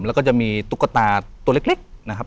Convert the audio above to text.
แล้วก็จะมีตุ๊กตาตัวเล็กนะครับ